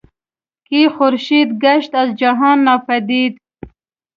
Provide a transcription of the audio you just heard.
که خورشید گشت از جهان ناپدید